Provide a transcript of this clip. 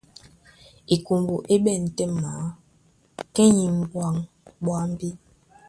Ekombo é ɓɛ̂n tɛ́ maa, kɛ́ e e m̀ɓwaŋ ɓwambí.